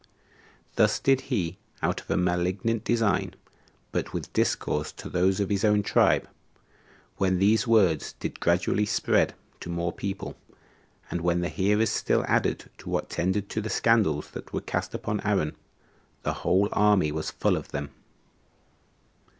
Thus did he, out of a malignant design, but with plausible words, discourse to those of his own tribe; when these words did gradually spread to more people, and when the hearers still added to what tended to the scandals that were cast upon Aaron, the whole army was full of them.